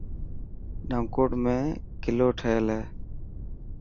نئونڪوٽ ۾ ڪلو ٺهيل هي.